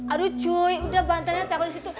aduh cuy udah bantalnya taruh disitu